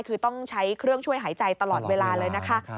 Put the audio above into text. คือต้องใช้เครื่องช่วยหายใจตลอดเวลาเลยนะคะ